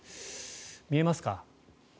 見えますか？